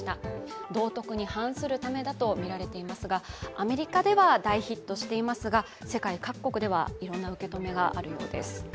アメリカでは大ヒットしていますが、世界各国ではいろんな受け止めがあるようです。